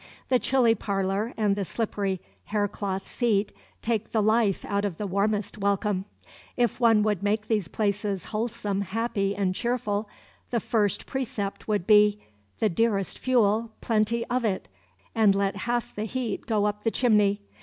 The chilly parlor and the slippery hair cloth seat take the life out of the warmest welcome. If one would make these places wholesome, happy, and cheerful, the first precept would be, The dearest fuel, plenty of it, and let half the heat go up the chimney.